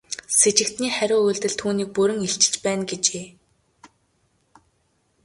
Сэжигтний хариу үйлдэл түүнийг бүрэн илчилж байна гэжээ.